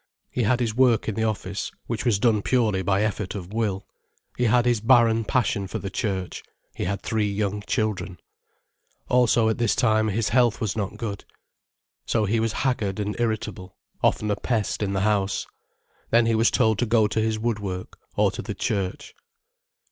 He had his work in the office, which was done purely by effort of will: he had his barren passion for the church; he had three young children. Also at this time his health was not good. So he was haggard and irritable, often a pest in the house. Then he was told to go to his woodwork, or to the church.